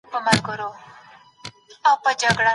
بائن پخپل ذات کي دوه ډوله دی، بائن صغری او کبری.